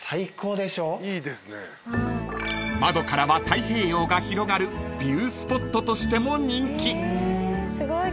［窓からは太平洋が広がるビュースポットとしても人気］